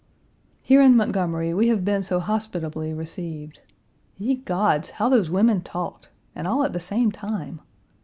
Here in Montgomery, we have been so hospitably received. Ye gods! how those women talked! and all at the same time!